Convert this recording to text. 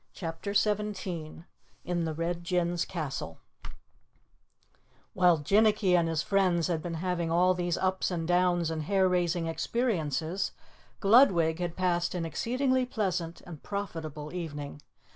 CHAPTER 17 In the Red Jinn's Castle While Jinnicky and his friends had been having all these ups and downs and hair raising experiences, Gludwig had passed an exceedingly pleasant and profitable evening.